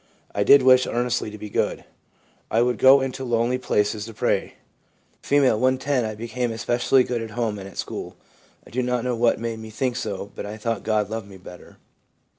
I did wish earnestly to be good. I would go into lonely places to pray/ F. ' When 10 I became especially good at home and at school. I do not know what made me think so, but I thought God loved me better.